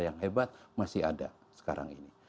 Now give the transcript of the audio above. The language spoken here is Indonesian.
yang hebat masih ada sekarang ini